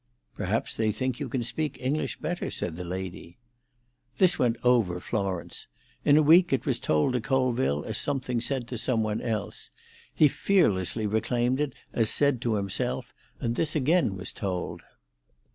"Perhaps they think you can speak English better," said the lady. This went over Florence; in a week it was told to Colville as something said to some one else. He fearlessly reclaimed it as said to himself, and this again was told.